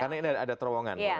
karena ini ada terowongan